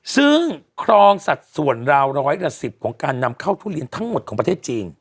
ซึ่งครองสัดส่วนราวร้อยละ๑๐ของการนำเข้าทุเรียนทั้งหมดของประเทศจีน